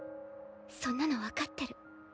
そんなの分かってる。